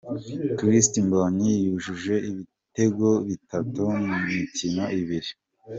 Christ Mbondy yujuje ibitego bitatu mu mikino ibiri .